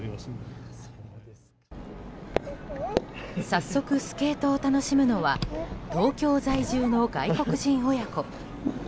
早速スケートを楽しむのは東京在住の外国人親子。